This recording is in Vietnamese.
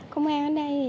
công an ở đây